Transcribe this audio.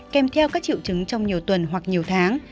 kèm theo các triệu chứng trong nhiều tuần hoặc nhiều tháng